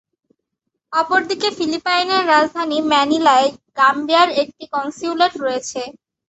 অপরদিকে ফিলিপাইনের রাজধানী ম্যানিলায় গাম্বিয়ার একটি কনস্যুলেট রয়েছে।